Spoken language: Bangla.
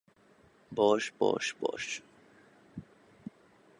বস, বস, বস।